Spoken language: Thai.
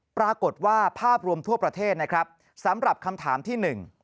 ปรากฏว่าภาพรวมทั่วประเทศนะครับสำหรับคำถามที่หนึ่ง